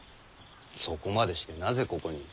そこまでしてなぜここに？